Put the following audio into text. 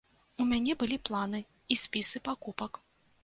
У мяне былі планы і спісы пакупак.